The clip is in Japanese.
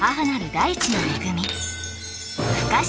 大地の恵み